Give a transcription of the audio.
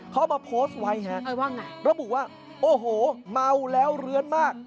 เขามาโพสต์ไว้ฮะระบุว่าโอ้โหเมาแล้วเลื้อนมาก